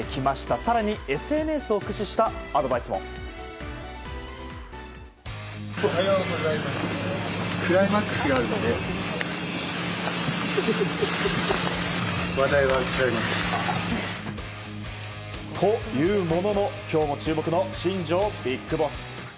更にＳＮＳを駆使したアドバイスも。というものの今日も注目の新庄ビッグボス。